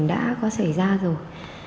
đã có xảy ra rồi